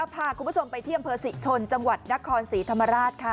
พาคุณผู้ชมไปเที่ยงเผอร์ศรีชนจังหวัดนครศรีธรรมราช